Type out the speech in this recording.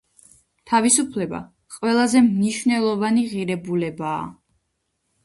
თავისუფლება ყველაზე მნიშვნელოვანი ღირებულებაა.